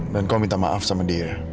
dan kau minta maaf sama dia